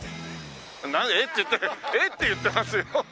「えっ？」って言ってる「えっ？」って言ってますよ。